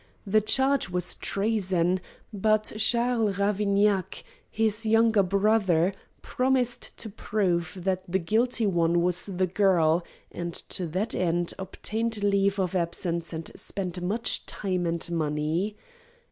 The charge was treason, but Charles Ravignac, his younger brother, promised to prove that the guilty one was the girl, and to that end obtained leave of absence and spent much time and money.